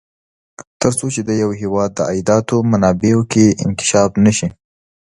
تر څو چې د یوه هېواد د عایداتو منابعو کې انکشاف نه شي.